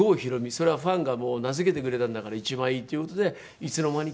それはファンが名付けてくれたんだから一番いいっていう事でいつの間にか僕はもう。